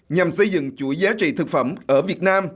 nhằm xây dựng chuỗi giá trị thực phẩm ở việt nam